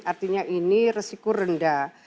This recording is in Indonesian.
artinya ini resiko rendah